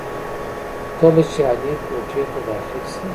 کله چې علي کوټې ته داخل شي،